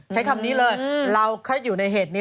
ใช้คำนี้เลยเราแค่อยู่ในเหตุนี้